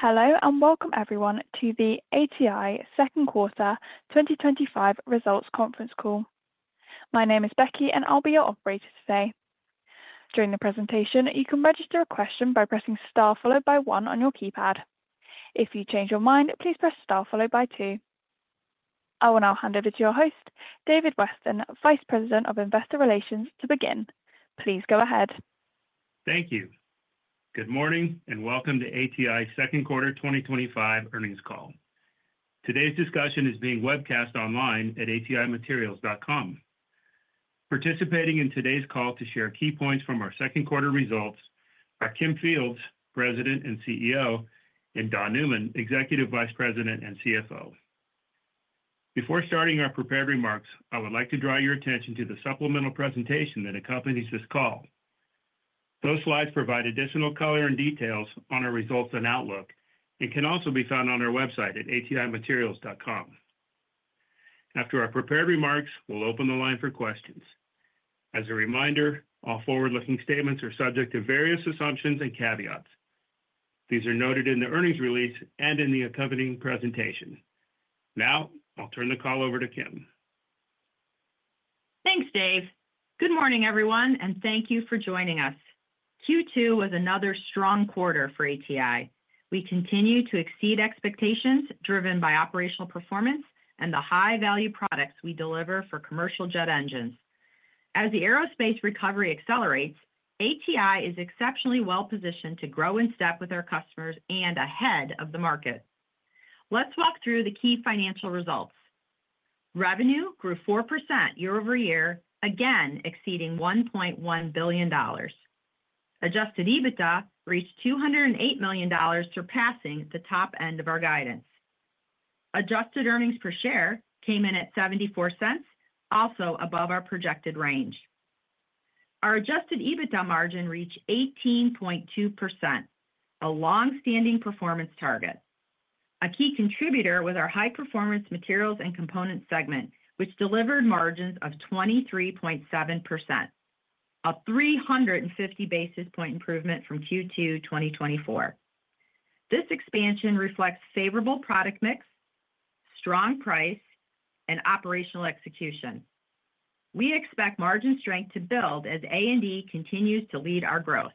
Hello and welcome everyone to the ATI Second Quarter 2025 Results Conference Call. My name is Becky and I'll be your operator today. During the presentation, you can register a question by pressing Star followed by 1 on your keypad. If you change your mind, please press Star followed by 2. I will now hand over to your host, David Weston, Vice President of Investor Relations, to begin. Please go ahead. Thank you. Good morning and welcome to ATI Second Quarter 2025 Earnings Call. Today's discussion is being webcast online at atimaterials.com. Participating in today's call to share key points from our second quarter results are Kim Fields, President and CEO, and Don Neumann, Executive Vice President and CFO. Before starting our prepared remarks, I would like to draw your attention to the supplemental presentation that accompanies this call. Those slides provide additional color and details on our results and outlook and can also be found on our website at atimaterials.com. After our prepared remarks, we'll open the line for questions. As a reminder, all forward-looking statements are subject to various assumptions and caveats. These are noted in the earnings release and in the accompanying presentation. Now I'll turn the call over to Kim. Thanks, Dave. Good morning, everyone, and thank you for joining us. Q2 was another strong quarter for ATI. We continue to exceed expectations driven by operational performance and the high-value products we deliver for commercial jet engines. As the aerospace recovery accelerates, ATI is exceptionally well-positioned to grow in step with our customers and ahead of the market. Let's walk through the key financial results. Revenue grew 4% year over year, again exceeding $1.1 billion. Adjusted EBITDA reached $208 million, surpassing the top end of our guidance. Adjusted earnings per share came in at $0.74, also above our projected range. Our adjusted EBITDA margin reached 18.2%, a long-standing performance target. A key contributor was our High-Performance Materials and Components segment, which delivered margins of 23.7%, a 350 basis point improvement from Q2 2023. This expansion reflects favorable product mix, strong price, and operational execution. We expect margin strength to build as A&D continues to lead our growth.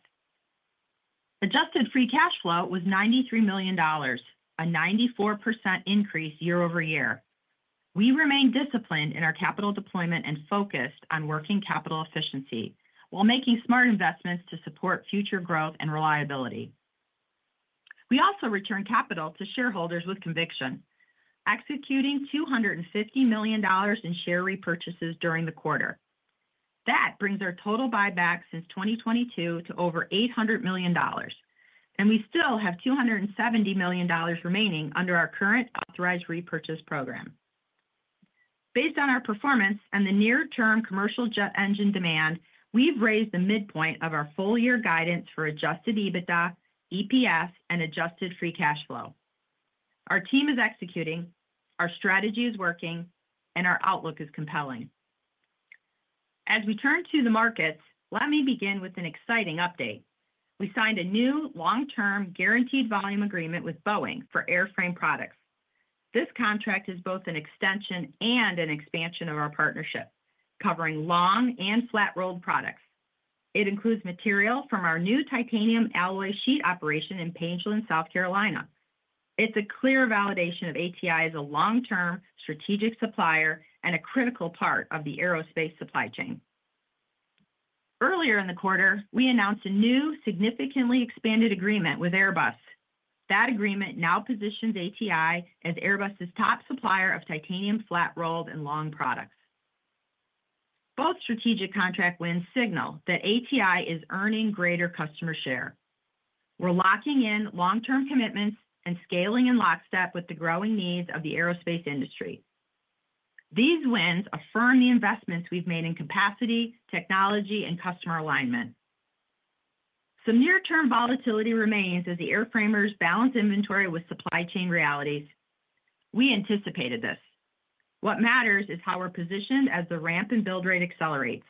Adjusted free cash flow was $93 million, a 94% increase year over year. We remain disciplined in our capital deployment and focused on working capital efficiency while making smart investments to support future growth and reliability. We also return capital to shareholders with conviction, executing $250 million in share repurchases during the quarter. That brings our total buyback since 2022 to over $800 million, and we still have $270 million remaining under our current authorized repurchase program. Based on our performance and the near-term commercial jet engine demand, we've raised the midpoint of our full-year guidance for adjusted EBITDA, EPS, and adjusted free cash flow. Our team is executing, our strategy is working, and our outlook is compelling. As we turn to the markets, let me begin with an exciting update. We signed a new long-term guaranteed volume agreement with Boeing for airframe products. This contract is both an extension and an expansion of our partnership, covering long and flat-rolled products. It includes material from our new titanium alloy sheet operation in Pageland, South Carolina. It's a clear validation of ATI as a long-term strategic supplier and a critical part of the aerospace supply chain. Earlier in the quarter, we announced a new significantly expanded agreement with Airbus. That agreement now positions ATI as Airbus's top supplier of titanium flat-rolled and long products. Both strategic contract wins signal that ATI is earning greater customer share. We're locking in long-term commitments and scaling in lockstep with the growing needs of the aerospace industry. These wins affirm the investments we've made in capacity, technology, and customer alignment. Some near-term volatility remains as the airframers balance inventory with supply chain realities. We anticipated this. What matters is how we're positioned as the ramp and build rate accelerates.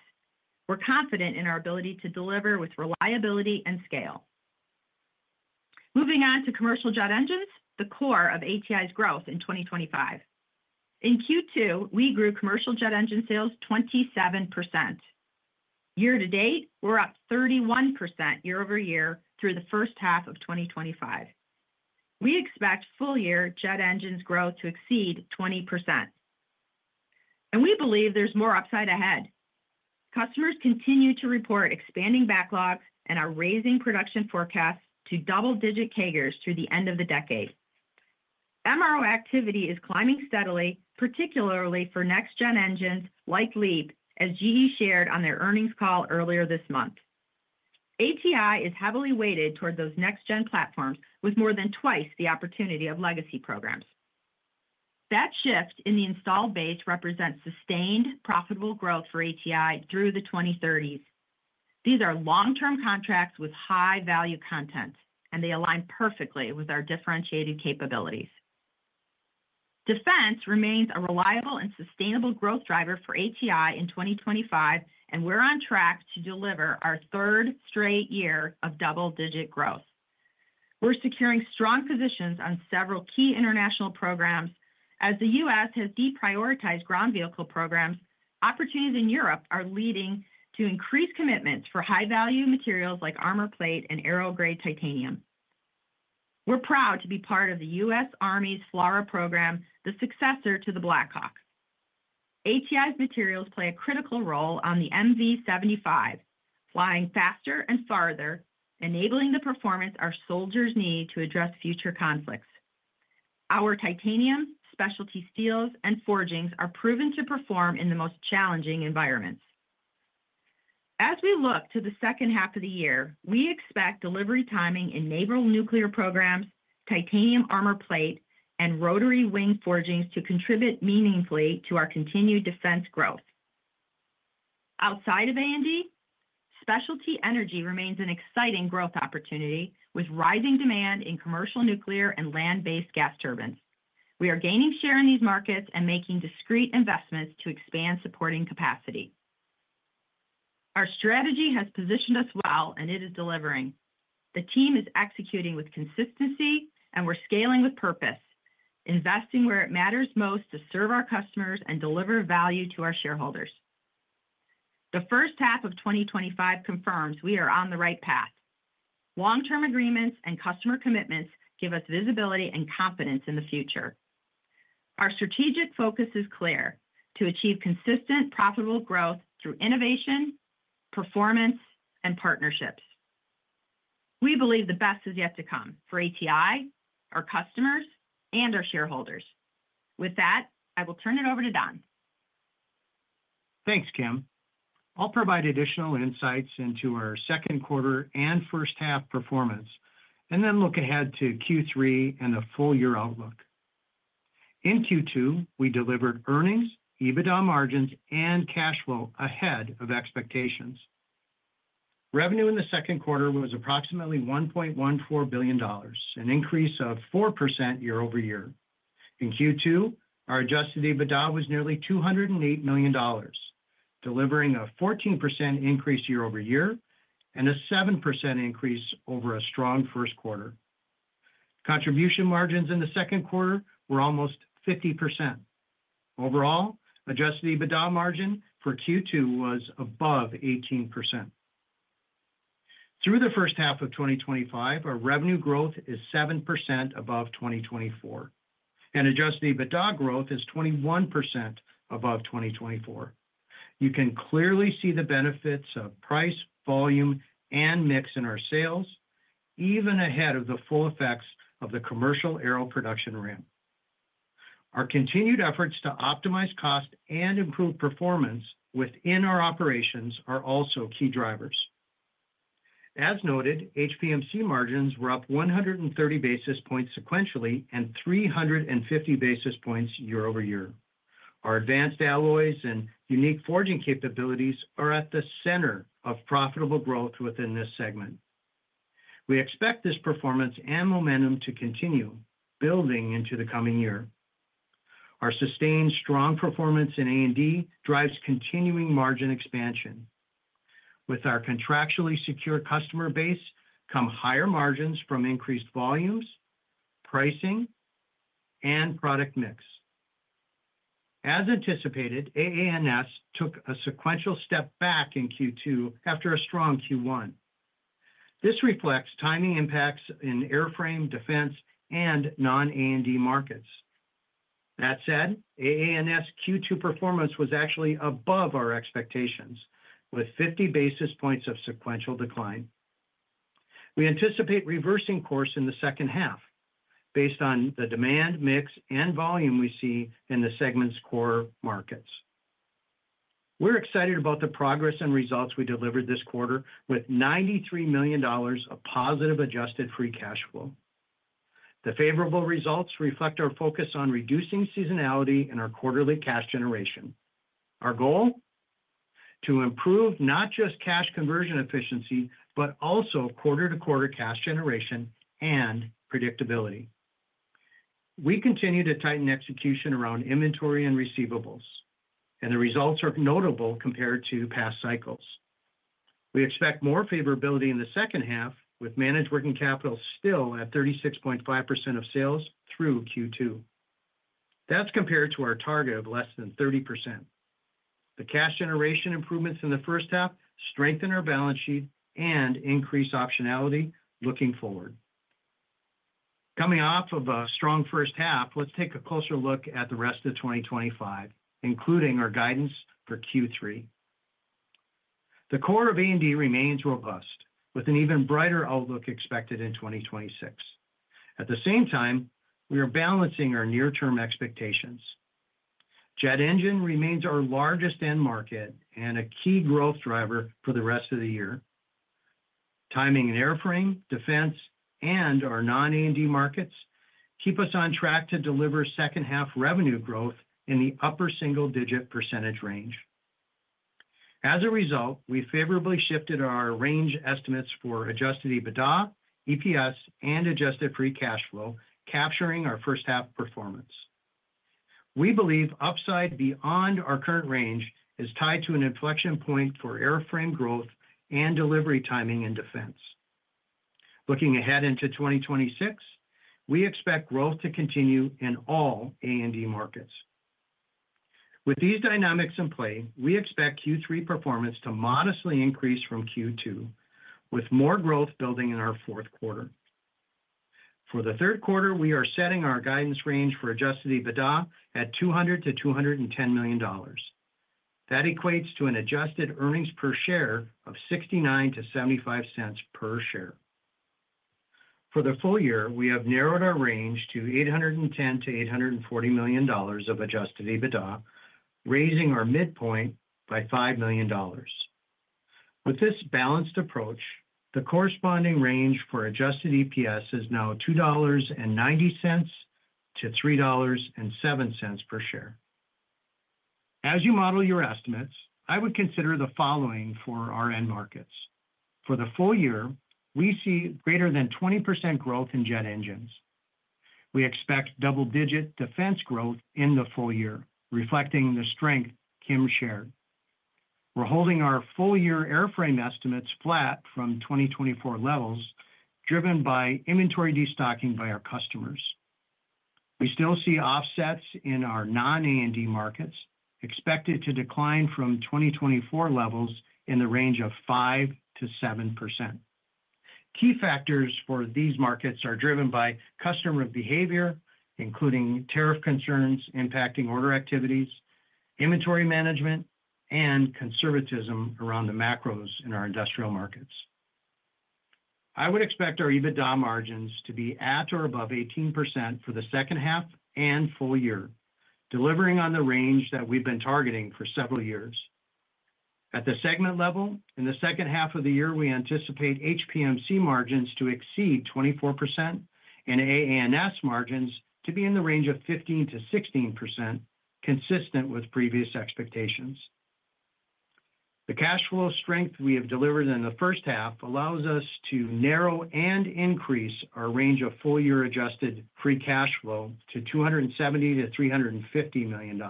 We're confident in our ability to deliver with reliability and scale. Moving on to commercial jet engines, the core of ATI's growth in 2025. In Q2, we grew commercial jet engine sales 27%. Year to date, we're up 31% year over year through the first half of 2025. We expect full-year jet engines growth to exceed 20%. We believe there's more upside ahead. Customers continue to report expanding backlogs and are raising production forecasts to double-digit CAGRs through the end of the decade. MRO activity is climbing steadily, particularly for next-gen engines like LEAP, as GE shared on their earnings call earlier this month. ATI is heavily weighted toward those next-gen platforms with more than twice the opportunity of legacy programs. That shift in the installed base represents sustained profitable growth for ATI through the 2030s. These are long-term contracts with high-value content, and they align perfectly with our differentiated capabilities. Defense remains a reliable and sustainable growth driver for ATI in 2025, and we're on track to deliver our third straight year of double-digit growth. We're securing strong positions on several key international programs. As the U.S. has deprioritized ground vehicle programs, opportunities in Europe are leading to increased commitments for high-value materials like armor plate and aero-grade titanium. We're proud to be part of the U.S. Army's FLRA program, the successor to the Blackhawk. ATI's materials play a critical role on the MV-75, flying faster and farther, enabling the performance our soldiers need to address future conflicts. Our titanium, specialty steels, and forgings are proven to perform in the most challenging environments. As we look to the second half of the year, we expect delivery timing in naval nuclear programs, titanium armor plate, and rotary wing forgings to contribute meaningfully to our continued defense growth. Outside of A&D, specialty energy remains an exciting growth opportunity with rising demand in commercial nuclear and land-based gas turbines. We are gaining share in these markets and making discrete investments to expand supporting capacity. Our strategy has positioned us well, and it is delivering. The team is executing with consistency, and we're scaling with purpose, investing where it matters most to serve our customers and deliver value to our shareholders. The first half of 2025 confirms we are on the right path. Long-term agreements and customer commitments give us visibility and confidence in the future. Our strategic focus is clear: to achieve consistent, profitable growth through innovation, performance, and partnerships. We believe the best is yet to come for ATI, our customers, and our shareholders. With that, I will turn it over to Don. Thanks, Kim. I'll provide additional insights into our second quarter and first half performance, and then look ahead to Q3 and the full-year outlook. In Q2, we delivered earnings, EBITDA margins, and cash flow ahead of expectations. Revenue in the second quarter was approximately $1.14 billion, an increase of 4% year over year. In Q2, our adjusted EBITDA was nearly $208 million, delivering a 14% increase year over year and a 7% increase over a strong first quarter. Contribution margins in the second quarter were almost 50%. Overall, adjusted EBITDA margin for Q2 was above 18%. Through the first half of 2025, our revenue growth is 7% above 2024, and adjusted EBITDA growth is 21% above 2024. You can clearly see the benefits of price, volume, and mix in our sales, even ahead of the full effects of the commercial aero production ramp. Our continued efforts to optimize cost and improve performance within our operations are also key drivers. As noted, HPMC margins were up 130 basis points sequentially and 350 basis points year over year. Our advanced alloys and unique forging capabilities are at the center of profitable growth within this segment. We expect this performance and momentum to continue building into the coming year. Our sustained strong performance in A&D drives continuing margin expansion. With our contractually secure customer base come higher margins from increased volumes, pricing, and product mix. As anticipated, AANS took a sequential step back in Q2 after a strong Q1. This reflects timing impacts in airframe, defense, and non-A&D markets. That said, AANS Q2 performance was actually above our expectations, with 50 basis points of sequential decline. We anticipate reversing course in the second half based on the demand, mix, and volume we see in the segment's core markets. We're excited about the progress and results we delivered this quarter, with $93 million of positive adjusted free cash flow. The favorable results reflect our focus on reducing seasonality in our quarterly cash generation. Our goal? To improve not just cash conversion efficiency, but also quarter-to-quarter cash generation and predictability. We continue to tighten execution around inventory and receivables, and the results are notable compared to past cycles. We expect more favorability in the second half, with managed working capital still at 36.5% of sales through Q2. That's compared to our target of less than 30%. The cash generation improvements in the first half strengthen our balance sheet and increase optionality looking forward. Coming off of a strong first half, let's take a closer look at the rest of 2025, including our guidance for Q3. The core of A&D remains robust, with an even brighter outlook expected in 2026. At the same time, we are balancing our near-term expectations. Jet engine remains our largest end market and a key growth driver for the rest of the year. Timing in airframe, defense, and our non-A&D markets keep us on track to deliver second-half revenue growth in the upper single-digit % range. As a result, we favorably shifted our range estimates for adjusted EBITDA, EPS, and adjusted free cash flow, capturing our first-half performance. We believe upside beyond our current range is tied to an inflection point for airframe growth and delivery timing in defense. Looking ahead into 2026, we expect growth to continue in all A&D markets. With these dynamics in play, we expect Q3 performance to modestly increase from Q2, with more growth building in our fourth quarter. For the third quarter, we are setting our guidance range for adjusted EBITDA at $200 to $210 million. That equates to an adjusted earnings per share of $0.69 to $0.75 per share. For the full year, we have narrowed our range to $810 to $840 million of adjusted EBITDA, raising our midpoint by $5 million. With this balanced approach, the corresponding range for adjusted EPS is now $2.90 to $3.07 per share. As you model your estimates, I would consider the following for our end markets. For the full year, we see greater than 20% growth in jet engines. We expect double-digit defense growth in the full year, reflecting the strength Kim shared. We're holding our full-year airframe estimates flat from 2024 levels, driven by inventory destocking by our customers. We still see offsets in our non-A&D markets, expected to decline from 2024 levels in the range of 5% to 7%. Key factors for these markets are driven by customer behavior, including tariff concerns impacting order activities, inventory management, and conservatism around the macros in our industrial markets. I would expect our EBITDA margins to be at or above 18% for the second half and full year, delivering on the range that we've been targeting for several years. At the segment level, in the second half of the year, we anticipate HPMC margins to exceed 24% and AANS margins to be in the range of 15 to 16%, consistent with previous expectations. The cash flow strength we have delivered in the first half allows us to narrow and increase our range of full-year adjusted free cash flow to $270 to $350 million.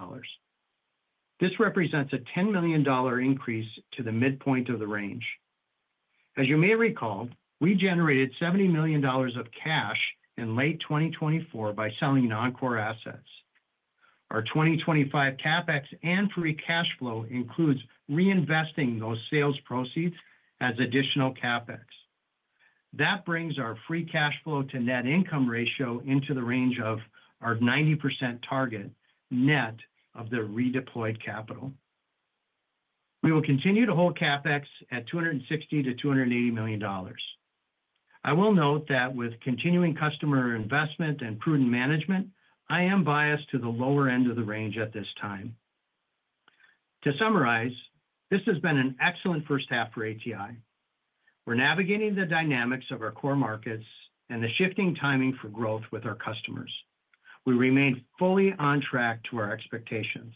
This represents a $10 million increase to the midpoint of the range. As you may recall, we generated $70 million of cash in late 2024 by selling non-core assets. Our 2025 CapEx and free cash flow includes reinvesting those sales proceeds as additional CapEx. That brings our free cash flow to net income ratio into the range of our 90% target net of the redeployed capital. We will continue to hold CapEx at $260 to $280 million. I will note that with continuing customer investment and prudent management, I am biased to the lower end of the range at this time. To summarize, this has been an excellent first half for ATI. We're navigating the dynamics of our core markets and the shifting timing for growth with our customers. We remain fully on track to our expectations.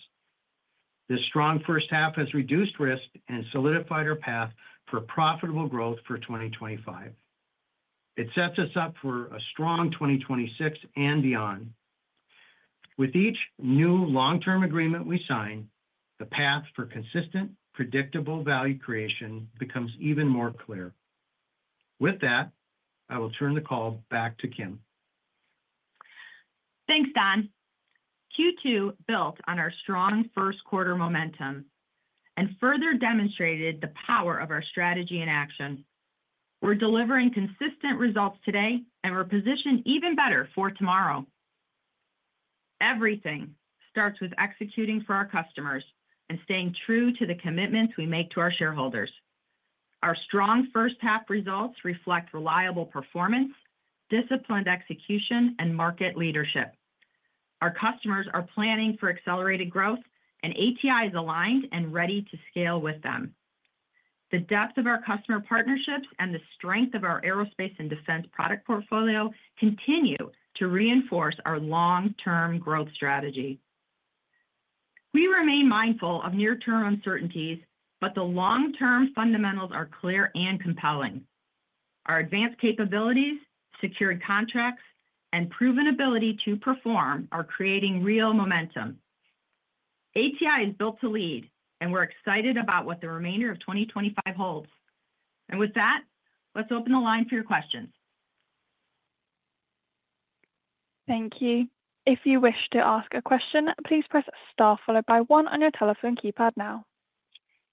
This strong first half has reduced risk and solidified our path for profitable growth for 2025. It sets us up for a strong 2026 and beyond. With each new long-term agreement we sign, the path for consistent, predictable value creation becomes even more clear. With that, I will turn the call back to Kim. Thanks, Don. Q2 built on our strong first-quarter momentum and further demonstrated the power of our strategy in action. We're delivering consistent results today, and we're positioned even better for tomorrow. Everything starts with executing for our customers and staying true to the commitments we make to our shareholders. Our strong first-half results reflect reliable performance, disciplined execution, and market leadership. Our customers are planning for accelerated growth, and ATI is aligned and ready to scale with them. The depth of our customer partnerships and the strength of our aerospace and defense product portfolio continue to reinforce our long-term growth strategy. We remain mindful of near-term uncertainties, but the long-term fundamentals are clear and compelling. Our advanced capabilities, secured contracts, and proven ability to perform are creating real momentum. ATI is built to lead, and we're excited about what the remainder of 2025 holds. With that, let's open the line for your questions. Thank you. If you wish to ask a question, please press star followed by one on your telephone keypad now.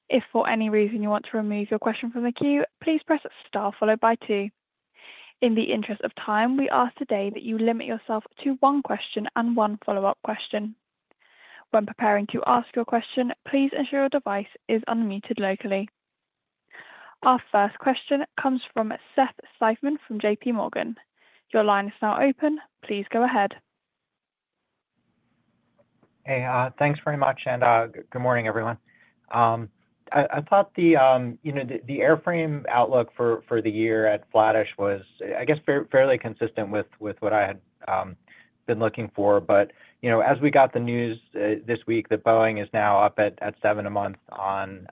If for any reason you want to remove your question from the queue, please press star followed by two. In the interest of time, we ask today that you limit yourself to one question and one follow-up question. When preparing to ask your question, please ensure your device is unmuted locally. Our first question comes from Seth Seifman from J.P. Morgan. Your line is now open. Please go ahead. Hey, thanks very much, and good morning, everyone. I thought the airframe outlook for the year at flattish was, I guess, fairly consistent with what I had been looking for. As we got the news this week that Boeing is now up at seven a month on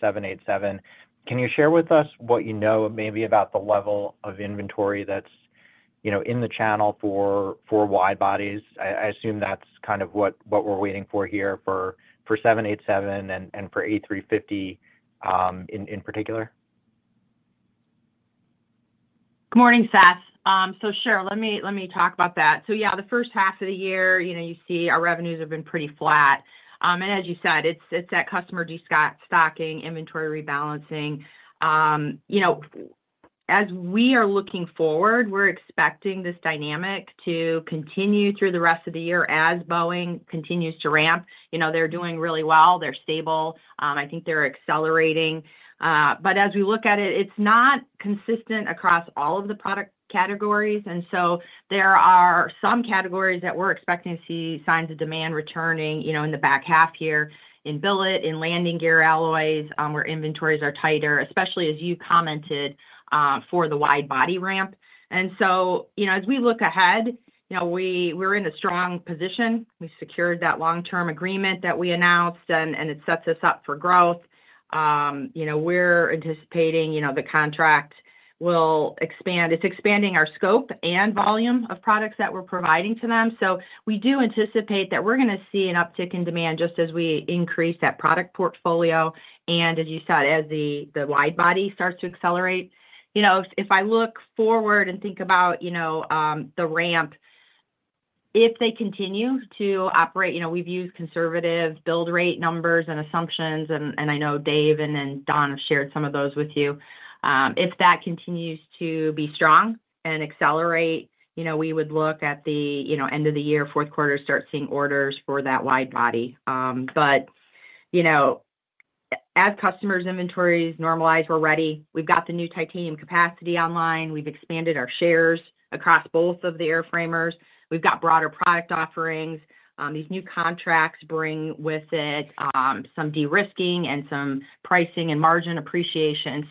787, can you share with us what you know maybe about the level of inventory that's in the channel for wide bodies? I assume that's kind of what we're waiting for here for 787 and for A350 in particular. Good morning, Seth. Sure, let me talk about that. The first half of the year, you see our revenues have been pretty flat. As you said, it's that customer destocking, inventory rebalancing. As we are looking forward, we're expecting this dynamic to continue through the rest of the year as Boeing continues to ramp. They're doing really well. They're stable. I think they're accelerating. As we look at it, it's not consistent across all of the product categories. There are some categories that we're expecting to see signs of demand returning in the back half here in billet, in landing gear alloys, where inventories are tighter, especially as you commented for the Wide Body Ramp. As we look ahead, we're in a strong position. We secured that long-term agreement that we announced, and it sets us up for growth. We're anticipating the contract will expand. It's expanding our scope and volume of products that we're providing to them. We do anticipate that we're going to see an uptick in demand just as we increase that product portfolio, and as you said, as the Wide Body starts to accelerate. If I look forward and think about the ramp, if they continue to operate, we've used conservative build rate numbers and assumptions. I know Dave and Don have shared some of those with you. If that continues to be strong and accelerate, we would look at the end of the year, fourth quarter, start seeing orders for that Wide Body. As customers' inventories normalize, we're ready. We've got the new titanium capacity online. We've expanded our shares across both of the airframers. We've got broader product offerings. These new contracts bring with it some de-risking and some pricing and margin appreciation.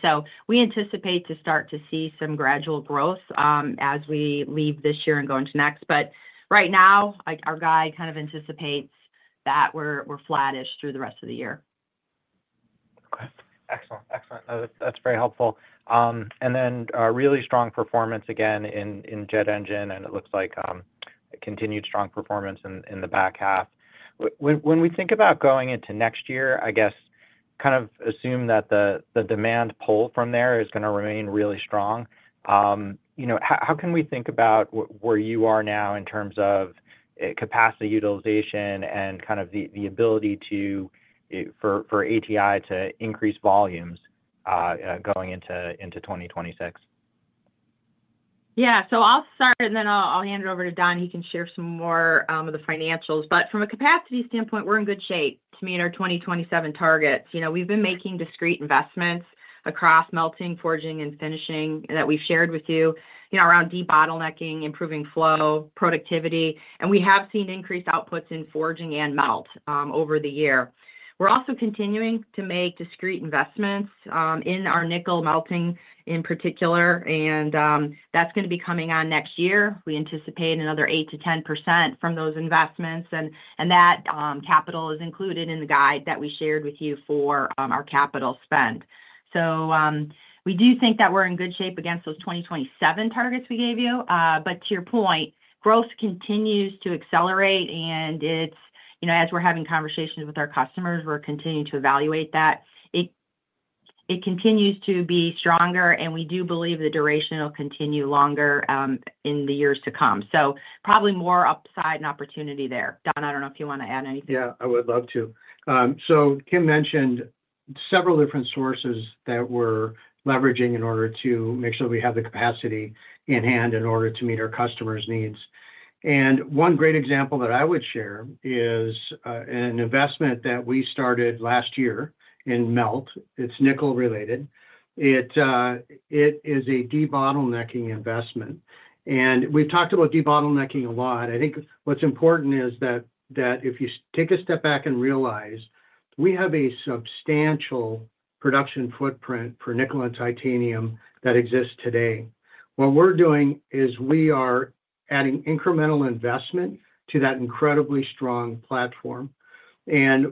We anticipate to start to see some gradual growth as we leave this year and go into next. Right now, our guy kind of anticipates that we're flattish through the rest of the year. Okay. Excellent. That's very helpful. Really strong performance again in commercial jet engines, and it looks like continued strong performance in the back half. When we think about going into next year, I guess kind of assume that the demand pull from there is going to remain really strong. How can we think about where you are now in terms of capacity utilization and kind of the ability for ATI to increase volumes going into 2026? Yeah. I'll start, then I'll hand it over to Don. He can share some more of the financials. From a capacity standpoint, we're in good shape to meet our 2027 targets. We've been making discrete investments across melting, forging, and finishing that we've shared with you around de-bottlenecking, improving flow, productivity. We have seen increased outputs in forging and melt over the year. We're also continuing to make discrete investments in our nickel melting in particular, and that's going to be coming on next year. We anticipate another 8% to 10% from those investments, and that capital is included in the guide that we shared with you for our capital spend. We do think that we're in good shape against those 2027 targets we gave you. To your point, growth continues to accelerate. As we're having conversations with our customers, we're continuing to evaluate that. It continues to be stronger, and we do believe the duration will continue longer in the years to come. Probably more upside and opportunity there. Don, I don't know if you want to add anything. Yeah, I would love to. Kim mentioned several different sources that we're leveraging in order to make sure we have the capacity in hand in order to meet our customers' needs. One great example that I would share is an investment that we started last year in melt. It's nickel related. It is a de-bottlenecking investment, and we've talked about de-bottlenecking a lot. I think what's important is that if you take a step back and realize we have a substantial production footprint for nickel and titanium that exists today, what we're doing is we are adding incremental investment to that incredibly strong platform.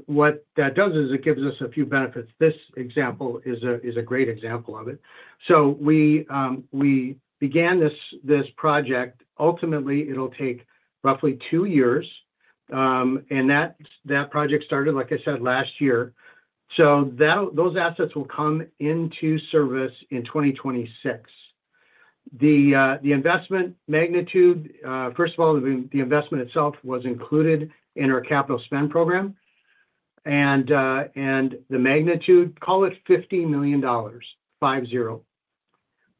What that does is it gives us a few benefits. This example is a great example of it. We began this project. Ultimately, it'll take roughly two years, and that project started, like I said, last year. Those assets will come into service in 2026. The investment magnitude, first of all, the investment itself was included in our capital spend program, and the magnitude, call it $50 million, 5-0.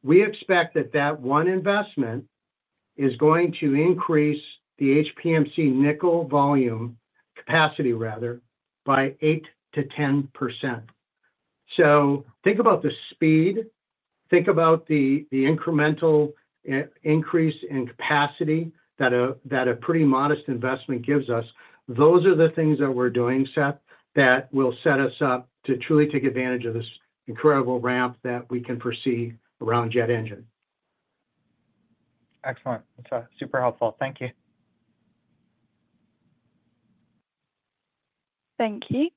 We expect that that one investment is going to increase the HPMC nickel volume, capacity rather, by 8 to 10%. Think about the speed. Think about the incremental increase in capacity that a pretty modest investment gives us. Those are the things that we're doing, Seth, that will set us up to truly take advantage of this incredible ramp that we can foresee around jet engine. Excellent. That's super helpful. Thank you. Thank you.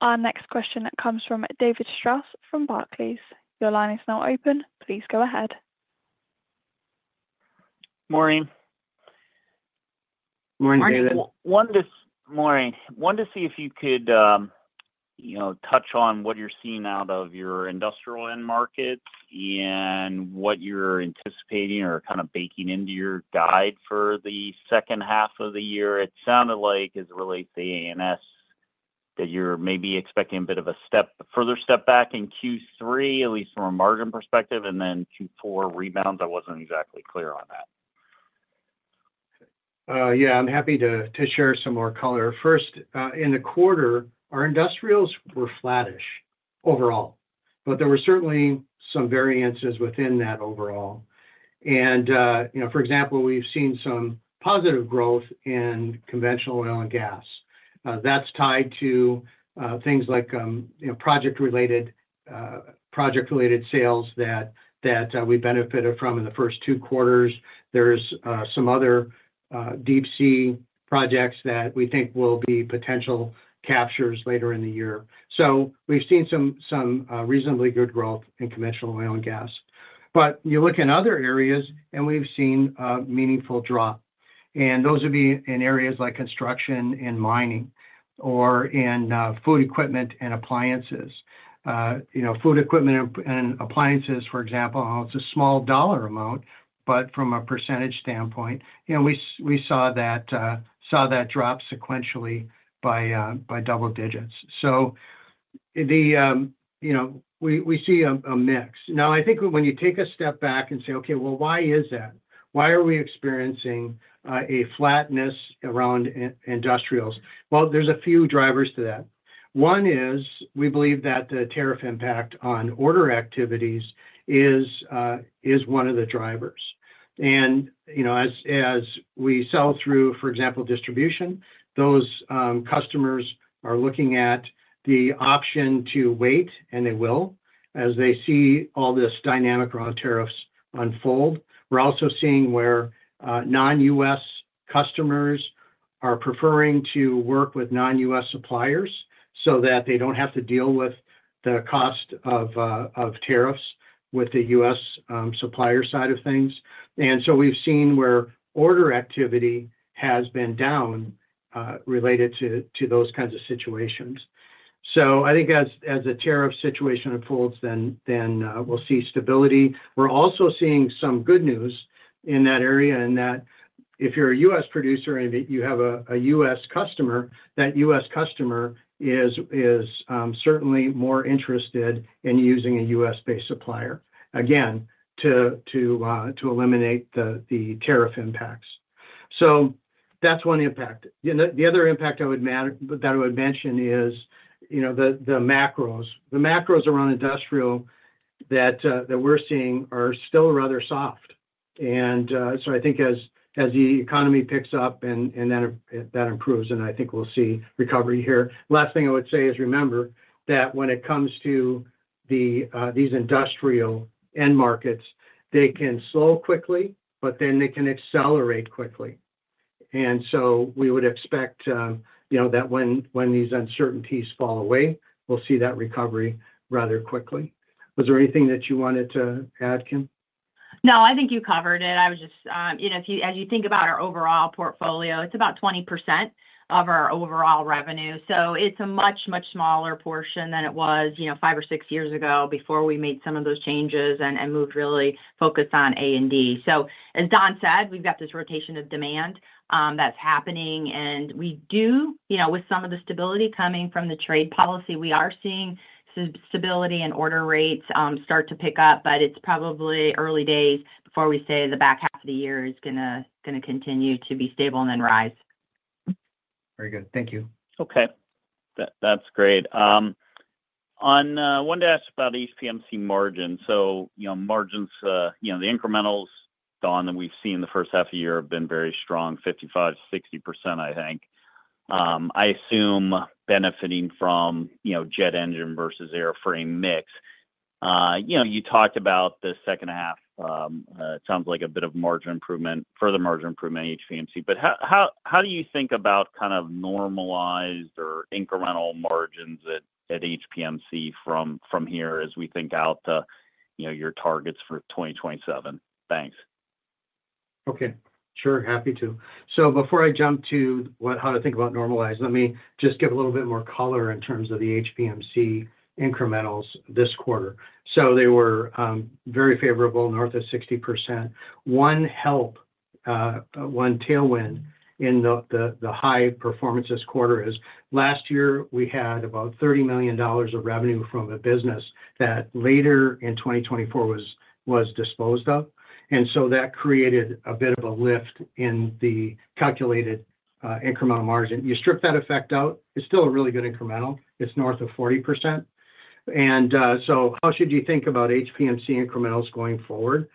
Our next question comes from David Strauss from Barclays. Your line is now open. Please go ahead. Morning. Morning, David. Morning. I wanted to see if you could touch on what you're seeing out of your industrial end markets and what you're anticipating or kind of baking into your guide for the second half of the year. It sounded like it's really the ANS that you're maybe expecting a bit of a further step back in Q3, at least from a margin perspective, and then Q4 rebounds. I wasn't exactly clear on that. Yeah, I'm happy to share some more color. First, in the quarter, our industrials were flattish overall, but there were certainly some variances within that overall. For example, we've seen some positive growth in conventional oil and gas. That's tied to things like project-related sales that we benefited from in the first two quarters. There are some other deep-sea projects that we think will be potential captures later in the year. We've seen some reasonably good growth in conventional oil and gas. If you look in other areas, we've seen a meaningful drop in areas like construction and mining or in food equipment and appliances. Food equipment and appliances, for example, is a small dollar amount, but from a percentage standpoint, we saw that drop sequentially by double digits. We see a mix. Now, I think when you take a step back and say, "Okay, why is that? Why are we experiencing a flatness around industrials?" There are a few drivers to that. One is we believe that the tariff impact on order activities is one of the drivers. As we sell through, for example, distribution, those customers are looking at the option to wait, and they will, as they see all this dynamic around tariffs unfold. We're also seeing where non-U.S. customers are preferring to work with non-U.S. suppliers so that they don't have to deal with the cost of tariffs with the U.S. supplier side of things. We've seen where order activity has been down related to those kinds of situations. I think as the tariff situation unfolds, then we'll see stability. We're also seeing some good news in that area in that if you're a U.S. producer and you have a U.S. customer, that U.S. customer is certainly more interested in using a U.S.-based supplier, again, to eliminate the tariff impacts. That's one impact. The other impact that I would mention is the macros. The macros around industrial that we're seeing are still rather soft. I think as the economy picks up and then that improves, we'll see recovery here. Last thing I would say is remember that when it comes to these industrial end markets, they can slow quickly, but then they can accelerate quickly. We would expect that when these uncertainties fall away, we'll see that recovery rather quickly. Was there anything that you wanted to add, Kim? No, I think you covered it. I was just, as you think about our overall portfolio, it's about 20% of our overall revenue. It's a much, much smaller portion than it was five or six years ago before we made some of those changes and moved really focused on A&D. As Don said, we've got this rotation of demand that's happening. With some of the stability coming from the trade policy, we are seeing stability and order rates start to pick up, but it's probably early days before we say the back half of the year is going to continue to be stable and then rise. Very good. Thank you. Okay. That's great. I wanted to ask about HPMC margins. Margins, the incrementals, Don, that we've seen in the first half of the year have been very strong, 55 to 60%, I think. I assume benefiting from jet engine versus airframe mix. You talked about the second half. It sounds like a bit of further margin improvement in HPMC. How do you think about kind of normalized or incremental margins at HPMC from here as we think out to your targets for 2027? Thanks. Okay. Happy to. Before I jump to how to think about normalized, let me just give a little bit more color in terms of the HPMC incrementals this quarter. They were very favorable, north of 60%. One tailwind in the High Performance this quarter is last year we had about $30 million of revenue from a business that later in 2024 was disposed of. That created a bit of a lift in the calculated incremental margin. You strip that effect out, it's still a really good incremental. It's north of 40%. How should you think about HPMC incrementals going forward?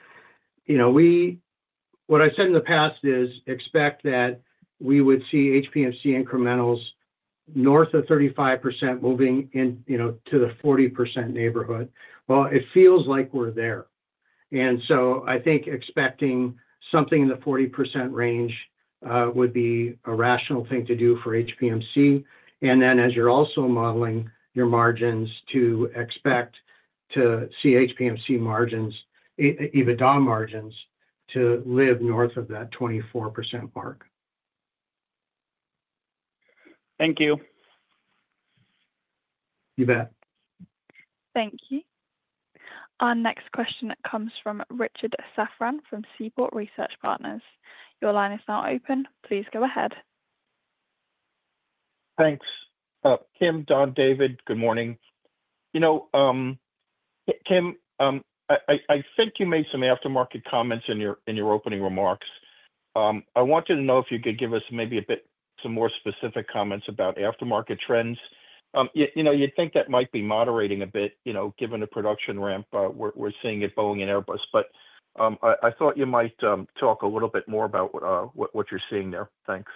What I've said in the past is expect that we would see HPMC incrementals north of 35% moving into the 40% neighborhood. It feels like we're there. I think expecting something in the 40% range would be a rational thing to do for HPMC. As you're also modeling your margins, expect to see HPMC margins, EBITDA margins, to live north of that 24% mark. Thank you. You bet. Thank you. Our next question comes from Richard Safran from Seaport Research Partners. Your line is now open. Please go ahead. Thanks. Kim, Don, David, good morning. Kim, I think you made some aftermarket comments in your opening remarks. I wanted to know if you could give us maybe a bit more specific comments about aftermarket trends. You'd think that might be moderating a bit given the production ramp we're seeing at Boeing and Airbus. I thought you might talk a little bit more about what you're seeing there. Thanks.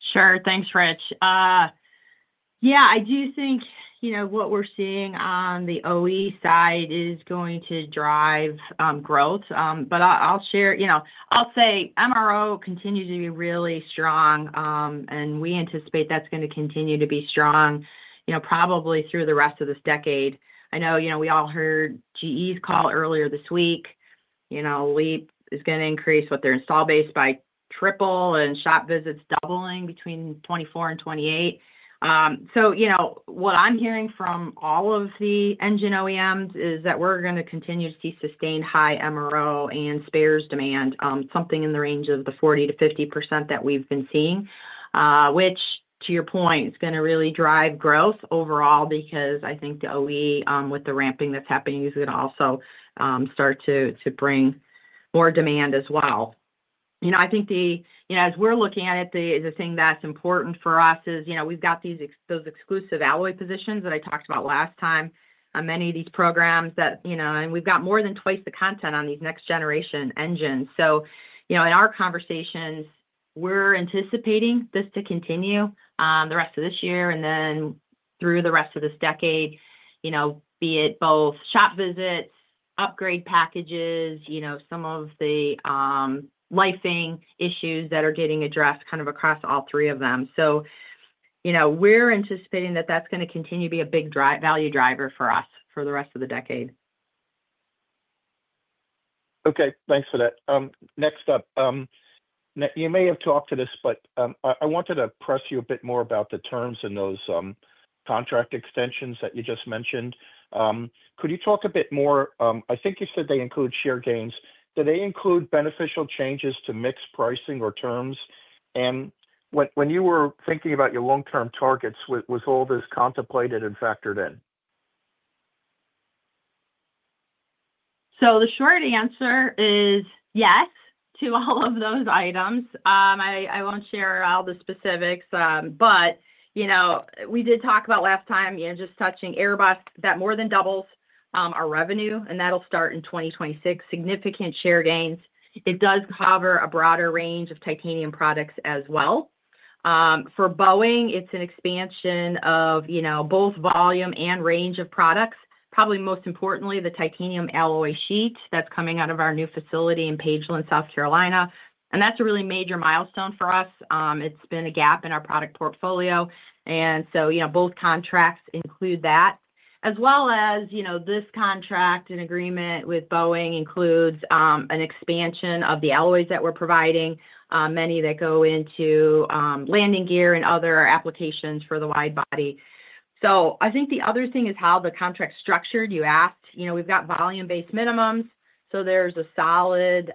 Sure. Thanks, Rich. Yeah, I do think what we're seeing on the OE side is going to drive growth. I'll say MRO continues to be really strong, and we anticipate that's going to continue to be strong probably through the rest of this decade. I know we all heard GE's call earlier this week. Leap is going to increase their install base by triple and shop visits doubling between 2024 and 2028. What I'm hearing from all of the engine OEMs is that we're going to continue to see sustained high MRO and spares demand, something in the range of the 40% to 50% that we've been seeing, which, to your point, is going to really drive growth overall because I think the OE, with the ramping that's happening, is going to also start to bring more demand as well. I think as we're looking at it, the thing that's important for us is we've got those exclusive alloy positions that I talked about last time, many of these programs, and we've got more than twice the content on these next-generation engines. In our conversations, we're anticipating this to continue the rest of this year and then through the rest of this decade, be it both shop visits, upgrade packages, some of the licensing issues that are getting addressed kind of across all three of them. We're anticipating that that's going to continue to be a big value driver for us for the rest of the decade. Okay. Thanks for that. Next up, you may have talked to this, but I wanted to press you a bit more about the terms in those contract extensions that you just mentioned. Could you talk a bit more? I think you said they include share gains. Do they include beneficial changes to mix, pricing, or terms? When you were thinking about your long-term targets, was all this contemplated and factored in? The short answer is yes to all of those items. I won't share all the specifics. We did talk about last time, just touching Airbus, that more than doubles our revenue, and that'll start in 2026, significant share gains. It does cover a broader range of titanium products as well. For Boeing, it's an expansion of both volume and range of products, probably most importantly, the titanium alloy sheet that's coming out of our new facility in Pageland, South Carolina. That's a really major milestone for us. It's been a gap in our product portfolio. Both contracts include that, as well as this contract and agreement with Boeing includes an expansion of the alloys that we're providing, many that go into landing gear and other applications for the wide body. I think the other thing is how the contract is structured, you asked. We've got volume-based minimums, so there's a solid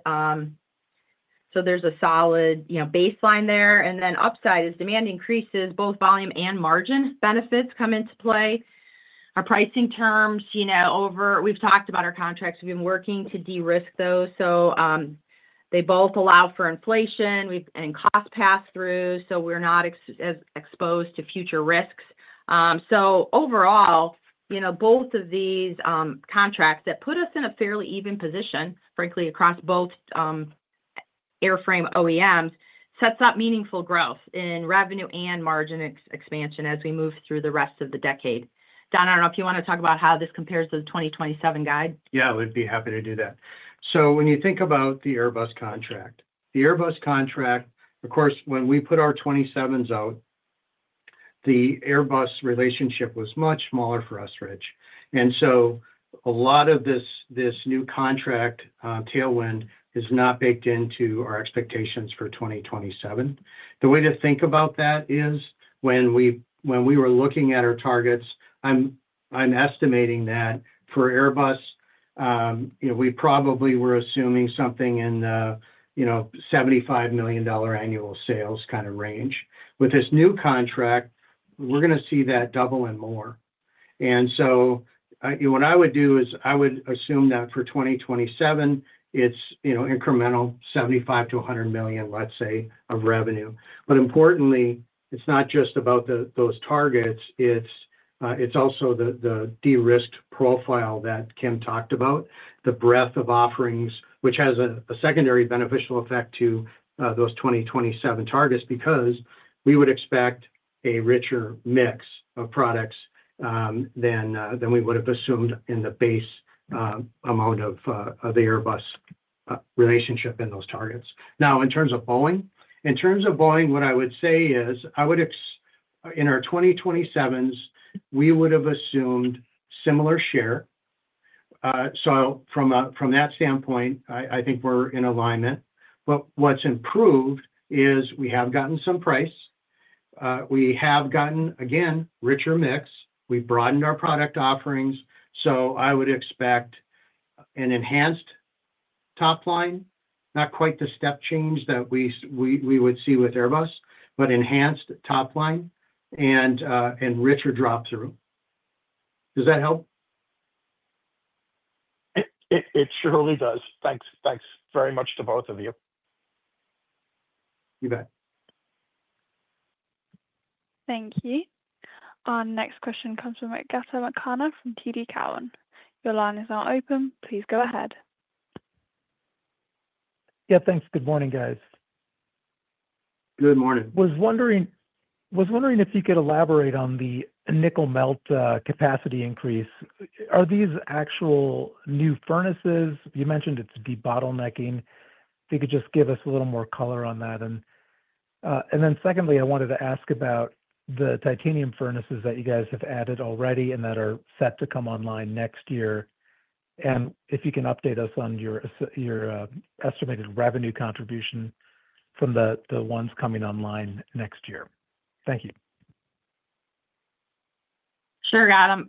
baseline there, and then upside as demand increases, both volume and margin benefits come into play. Our pricing terms, we've talked about our contracts. We've been working to de-risk those. They both allow for inflation and cost pass-through, so we're not as exposed to future risks. Overall, both of these contracts put us in a fairly even position, frankly, across both airframe OEMs, sets up meaningful growth in revenue and margin expansion as we move through the rest of the decade. Don, I don't know if you want to talk about how this compares to the 2027 guide. Yeah, I would be happy to do that. When you think about the Airbus contract, the Airbus contract, of course, when we put our 2027s out, the Airbus relationship was much smaller for us, Rich. A lot of this new contract tailwind is not baked into our expectations for 2027. The way to think about that is when we were looking at our targets, I'm estimating that for Airbus, we probably were assuming something in the $75 million annual sales kind of range. With this new contract, we're going to see that double and more. I would assume that for 2027, it's incremental $75 million to $100 million, let's say, of revenue. Importantly, it's not just about those targets. It's also the de-risked profile that Kim talked about, the breadth of offerings, which has a secondary beneficial effect to those 2027 targets because we would expect a richer mix of products than we would have assumed in the base amount of the Airbus relationship in those targets. Now, in terms of Boeing, what I would say is, in our 2027s, we would have assumed similar share. From that standpoint, I think we're in alignment. What's improved is we have gotten some price. We have gotten, again, a richer mix. We've broadened our product offerings. I would expect an enhanced top line, not quite the step change that we would see with Airbus, but enhanced top line and richer drop-through. Does that help? It surely does. Thanks. Thanks very much to both of you. You bet. Thank you. Our next question comes from Gautam Khanna from TD Cowen. Your line is now open. Please go ahead. Yeah, thanks. Good morning, guys. Good morning. Was wondering if you could elaborate on the nickel melt capacity increase. Are these actual new furnaces? You mentioned it's de-bottlenecking. If you could just give us a little more color on that. Secondly, I wanted to ask about the titanium furnaces that you guys have added already and that are set to come online next year. If you can update us on your estimated revenue contribution from the ones coming online next year. Thank you. Sure, Gautam.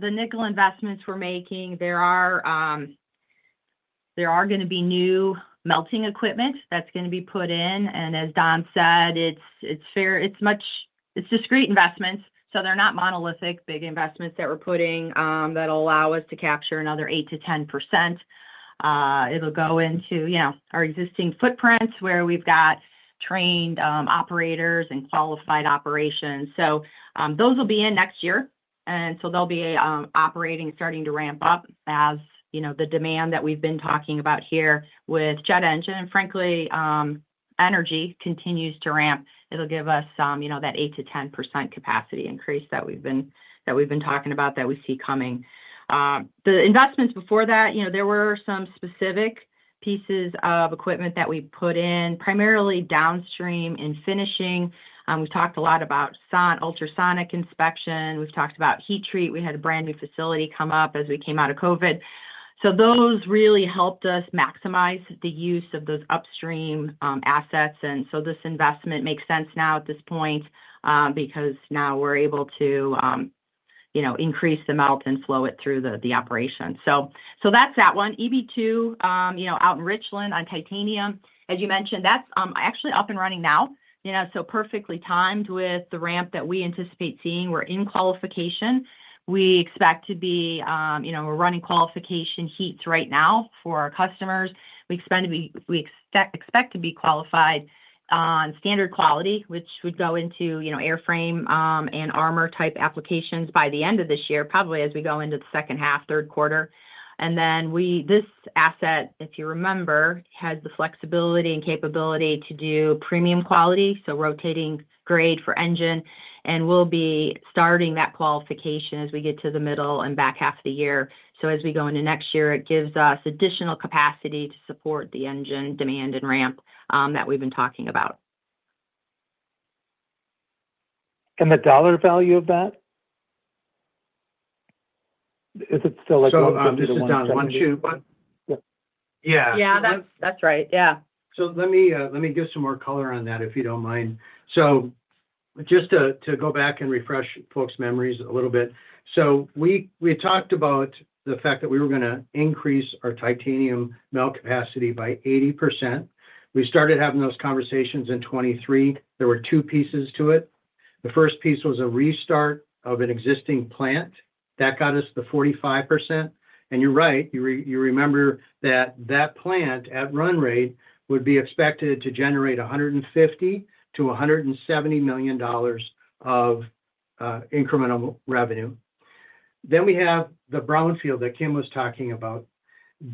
The nickel investments we're making are going to be new melting equipment that's going to be put in. As Don said, it's discrete investments. They're not monolithic, big investments that we're putting that'll allow us to capture another 8 to 10%. It'll go into our existing footprints where we've got trained operators and qualified operations. Those will be in next year, and they'll be operating, starting to ramp up as the demand that we've been talking about here with jet engine and, frankly, energy continues to ramp. It'll give us that 8 to 10% capacity increase that we've been talking about that we see coming. The investments before that, there were some specific pieces of equipment that we put in primarily downstream in finishing. We've talked a lot about SON, ultrasonic inspection. We've talked about heat treat. We had a brand new facility come up as we came out of COVID. Those really helped us maximize the use of those upstream assets. This investment makes sense now at this point because now we're able to increase the melt and flow it through the operation. EB2 out in Richland on titanium, as you mentioned, that's actually up and running now, so perfectly timed with the ramp that we anticipate seeing. We're in qualification. We expect to be running qualification heats right now for our customers. We expect to be qualified on standard quality, which would go into airframe and armor type applications by the end of this year, probably as we go into the second half, third quarter. This asset, if you remember, has the flexibility and capability to do premium quality, so rotating grade for engine. We'll be starting that qualification as we get to the middle and back half of the year. As we go into next year, it gives us additional capacity to support the engine demand and ramp that we've been talking about. Is the dollar value of that still $100 to $120? Yeah. Yeah, that's right. Yeah. Let me give some more color on that, if you don't mind. Just to go back and refresh folks' memories a little bit, we talked about the fact that we were going to increase our titanium melt capacity by 80%. We started having those conversations in 2023. There were two pieces to it. The first piece was a restart of an existing plant. That got us to 45%. You're right, you remember that that plant at run rate would be expected to generate $150 to $170 million of incremental revenue. Then we have the Brownfield that Kim was talking about.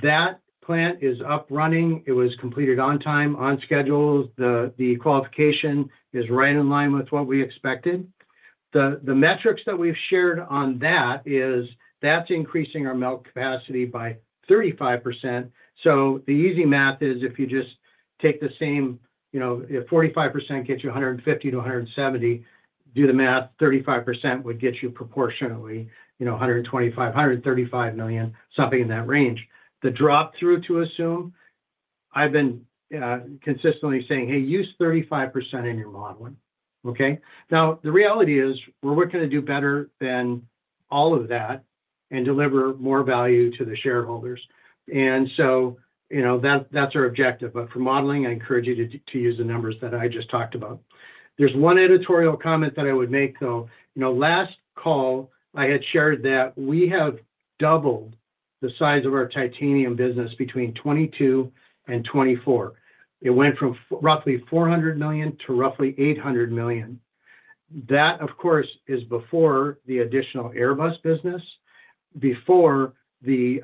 That plant is up and running. It was completed on time, on schedule. The qualification is right in line with what we expected. The metrics that we've shared on that is that's increasing our melt capacity by 35%. The easy math is if you just take the same, if 45% gets you $150 to $170 million, do the math, 35% would get you proportionately $125 to $135 million, something in that range. The drop-through, to assume, I've been consistently saying, "Hey, use 35% in your modeling." The reality is we're going to do better than all of that and deliver more value to the shareholders. That's our objective. For modeling, I encourage you to use the numbers that I just talked about. There's one editorial comment that I would make, though. Last call, I had shared that we have doubled the size of our titanium business between 2022 and 2024. It went from roughly $400 million to roughly $800 million. That, of course, is before the additional Airbus business, before the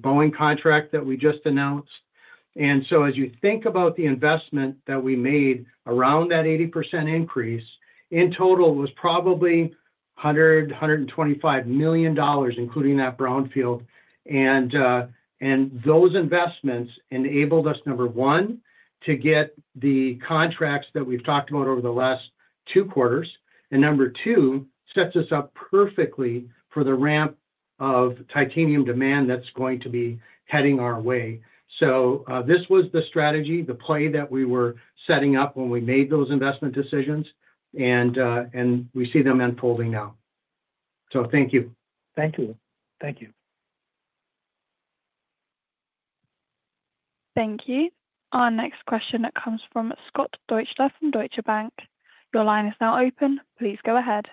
Boeing contract that we just announced. As you think about the investment that we made around that 80% increase, in total it was probably $100 to $125 million, including that Brownfield. Those investments enabled us, number one, to get the contracts that we've talked about over the last two quarters, and number two, set us up perfectly for the ramp of titanium demand that's going to be heading our way. This was the strategy, the play that we were setting up when we made those investment decisions, and we see them unfolding now. Thank you. Thank you. Thank you. Thank you. Our next question comes from Scott Deuschle from Deutsche Bank. Your line is now open. Please go ahead.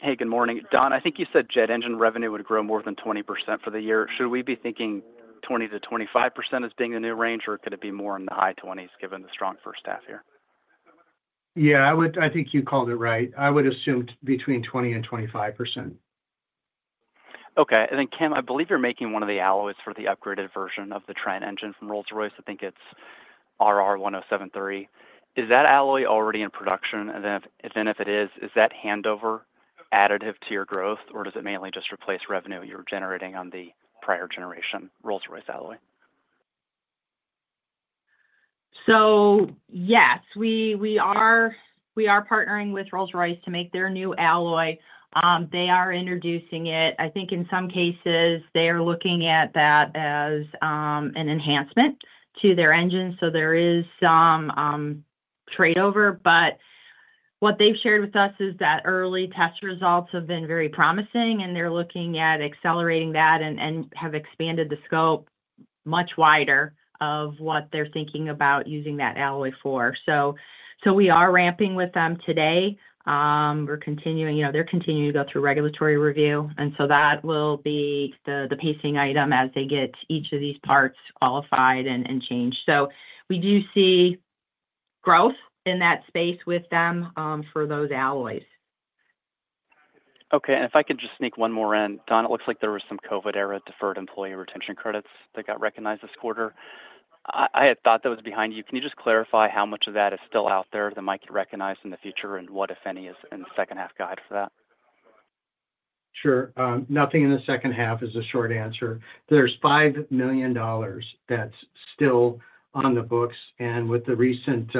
Hey, good morning. Don, I think you said jet engine revenue would grow more than 20% for the year. Should we be thinking 20 to 25% as being the new range, or could it be more in the high 20s given the strong first half here? Yeah, I think you called it right. I would assume between 20% and 25%. Okay. Kim, I believe you're making one of the alloys for the upgraded version of the Trent engine from Rolls-Royce. I think it's RR10730. Is that alloy already in production? If it is, is that handover additive to your growth, or does it mainly just replace revenue you were generating on the prior generation Rolls-Royce alloy? Yes, we are partnering with Rolls-Royce to make their new alloy. They are introducing it. I think in some cases, they are looking at that as an enhancement to their engine. There is some tradeover, but what they've shared with us is that early test results have been very promising, and they're looking at accelerating that and have expanded the scope much wider of what they're thinking about using that alloy for. We are ramping with them today. They're continuing to go through regulatory review, and that will be the pacing item as they get each of these parts qualified and changed. We do see growth in that space with them for those alloys. Okay. If I could just sneak one more in, Don, it looks like there were some COVID-era deferred employee retention credits that got recognized this quarter. I had thought that was behind you. Can you just clarify how much of that is still out there that might get recognized in the future and what, if any, is in the second-half guide for that? Sure. Nothing in the second half is a short answer. There's $5 million that's still on the books. With the recent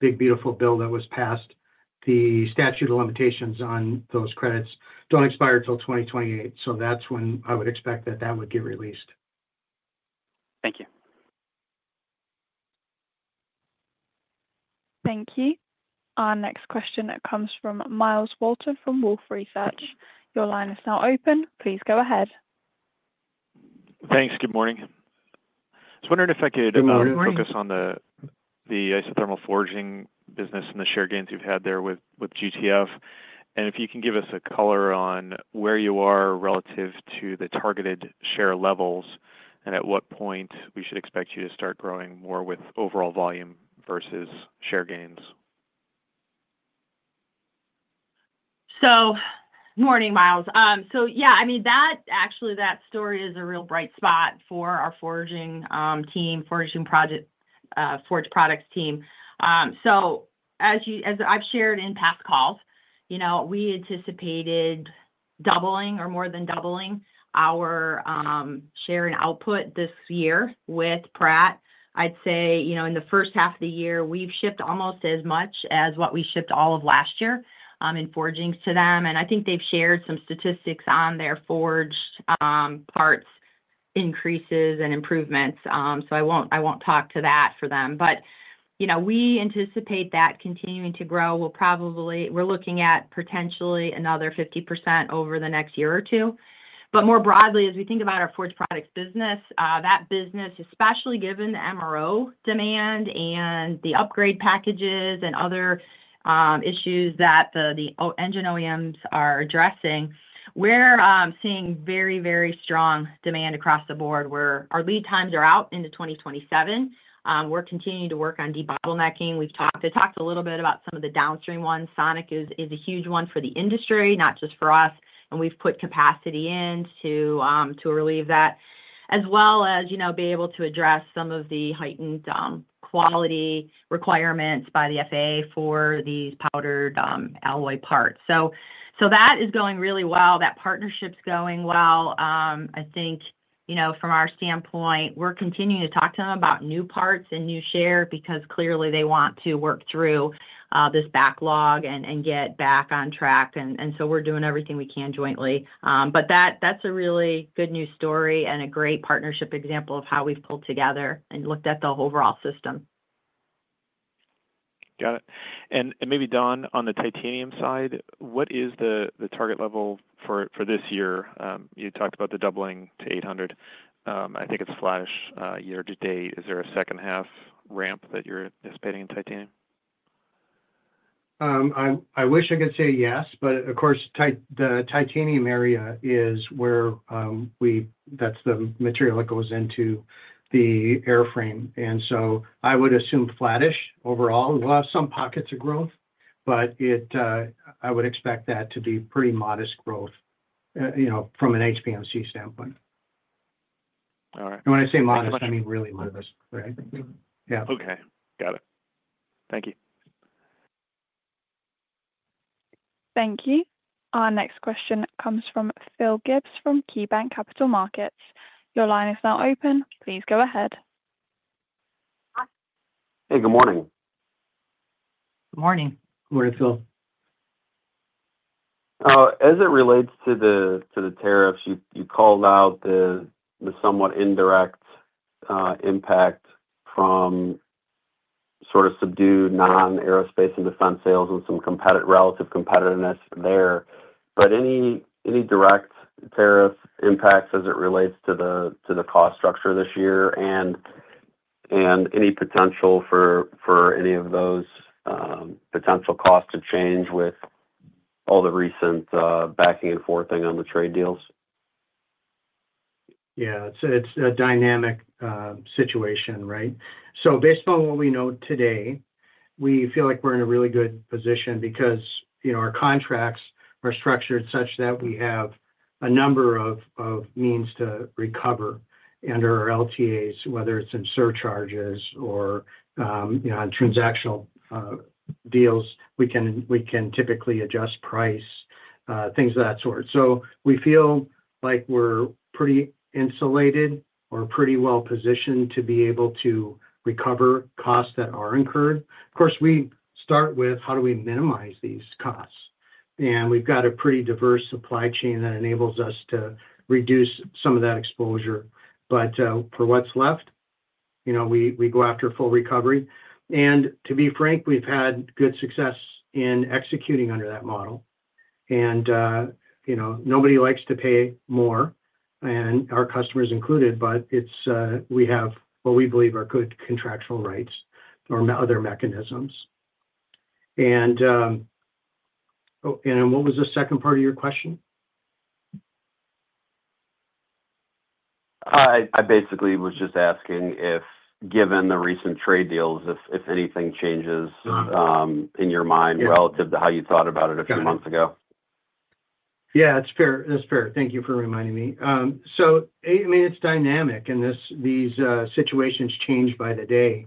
big, beautiful bill that was passed, the statute of limitations on those credits doesn't expire until 2028. That's when I would expect that that would get released. Thank you. Thank you. Our next question comes from Myles Walton from Wolfe Research. Your line is now open. Please go ahead. Thanks. Good morning. I was wondering if I could focus on the ice thermal forging business and the share gains you've had there with GTF. If you can give us a color on where you are relative to the targeted share levels and at what point we should expect you to start growing more with overall volume versus share gains. Good morning, Miles. Actually, that story is a real bright spot for our Forging Team, Forging Project, Forge Products Team. As I've shared in past calls, we anticipated doubling or more than doubling our share in output this year with Pratt. I'd say in the first half of the year, we've shipped almost as much as what we shipped all of last year in forgings to them. I think they've shared some statistics on their forged parts increases and improvements. I won't talk to that for them. We anticipate that continuing to grow. We're looking at potentially another 50% over the next year or two. More broadly, as we think about our Forged Products Business, that business, especially given the MRO demand and the upgrade packages and other issues that the engine OEMs are addressing, we're seeing very, very strong demand across the board where our lead times are out into 2027. We're continuing to work on de-bottlenecking. We've talked a little bit about some of the downstream ones. Sonic is a huge one for the industry, not just for us. We've put capacity in to relieve that, as well as be able to address some of the heightened quality requirements by the FAA for these powdered alloy parts. That is going really well. That partnership's going well. I think from our standpoint, we're continuing to talk to them about new parts and new share because clearly they want to work through this backlog and get back on track. We're doing everything we can jointly. That's a really good news story and a great partnership example of how we've pulled together and looked at the overall system. Got it. Maybe, Don, on the titanium side, what is the target level for this year? You talked about the doubling to 800. I think it's flat year to date. Is there a second-half ramp that you're anticipating in titanium? I wish I could say yes, but of course, the titanium area is where. That's the material that goes into the airframe, and so I would assume flattish overall. We'll have some pockets of growth, but I would expect that to be pretty modest growth from an HPMC standpoint. All right. When I say modest, I mean really modest. Yeah. Okay. Got it. Thank you. Thank you. Our next question comes from Phil Gibbs from KeyBanc Capital Markets. Your line is now open. Please go ahead. Hey, good morning. Good morning. Good morning, Phil. As it relates to the tariffs, you called out the somewhat indirect impact from sort of subdued non-aerospace and defense sales and some relative competitiveness there. Any direct tariff impacts as it relates to the cost structure this year and any potential for any of those potential costs to change with all the recent backing and forthing on the trade deals? Yeah. It's a dynamic situation, right? Based on what we know today, we feel like we're in a really good position because our contracts are structured such that we have a number of means to recover under our LTAs, whether it's in surcharges or on transactional deals. We can typically adjust price, things of that sort. We feel like we're pretty insulated or pretty well positioned to be able to recover costs that are incurred. Of course, we start with how do we minimize these costs? We've got a pretty diverse supply chain that enables us to reduce some of that exposure. For what's left, we go after full recovery. To be frank, we've had good success in executing under that model. Nobody likes to pay more, our customers included, but we have what we believe are good contractual rights or other mechanisms. What was the second part of your question? I basically was just asking if, given the recent trade deals, if anything changes in your mind relative to how you thought about it a few months ago. Yeah, that's fair. Thank you for reminding me. I mean, it's dynamic, and these situations change by the day.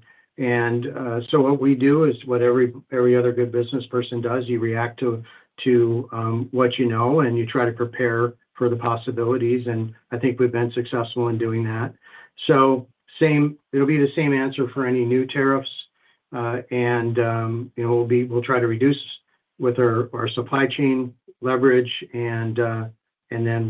What we do is what every other good business person does. You react to what you know, and you try to prepare for the possibilities. I think we've been successful in doing that. It'll be the same answer for any new tariffs. We'll try to reduce with our supply chain leverage, and